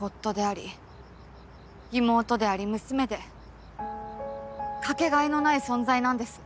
夫であり妹であり娘でかけがえのない存在なんです。